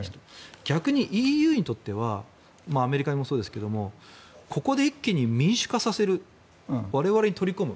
逆にＥＵにとってはアメリカもそうですがここで一気に民主化させる我々に取り込む。